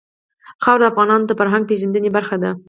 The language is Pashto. خاوره د افغانانو د فرهنګي پیژندنې برخه ده.